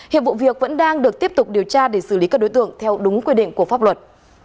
hiệp vụ việc vẫn đang được tiếp tục điều tra để xử lý các đối tượng theo đúng quy định của pháp luật